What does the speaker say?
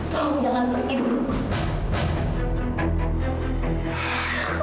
tolong jangan pergi dulu